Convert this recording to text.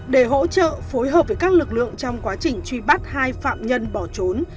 để hỗ trợ phối hợp với các lực lượng trong quá trình truy bắt hai phạm nhân bỏ trốn